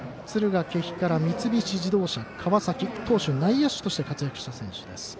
敦賀気比から三菱自動車川崎投手、内野手として活躍した選手です。